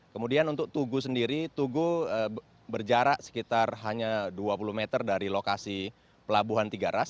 kemudian untuk tugu sendiri tugu berjarak sekitar hanya dua puluh meter dari lokasi pelabuhan tiga ras